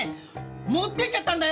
持ってっちゃったんだよ！